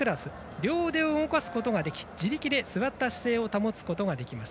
両腕を動かすことができ自力で座った姿勢を保つことができます。